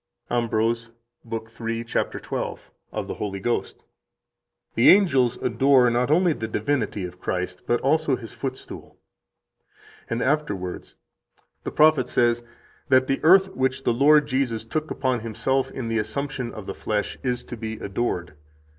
83 AMBROSE, lib. 3, cap. 12, Of the Holy Ghost (t. 2, p. 157 [fol. 765, ed. Colon.]): "The angels adore not only the divinity of Christ, but also His footstool." And afterwards: "The prophet says that the earth which the Lord Jesus took upon Himself in the assumption of the flesh is to be adored.